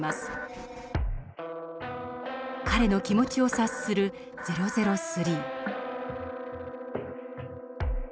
彼の気持ちを察する００３。